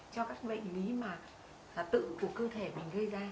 cho các bệnh ví tự của cơ thể mình gây ra